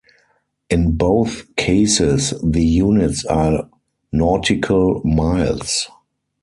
In both cases the units are nautical miles.